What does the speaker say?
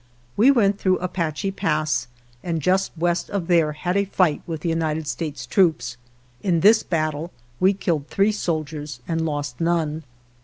We went through Apache Pass and just west of there had a fight with the United States troops. In this battle we killed three soldiers and lost none.